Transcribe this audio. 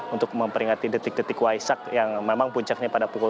untuk memperingati detik detik waisak yang memang puncaknya pada pukul